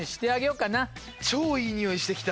超いい匂いしてきた。